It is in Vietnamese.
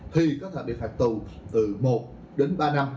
thì có thể bị phạt tù từ một đến ba năm